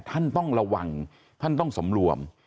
ท่านต้องระวังท่านต้องสำรวม